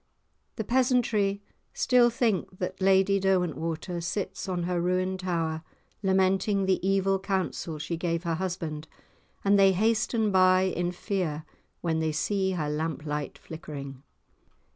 The peasantry still think that Lady Derwentwater sits on her ruined tower lamenting the evil counsel she gave her husband, and they hasten by in fear when they see her lamp light flickering.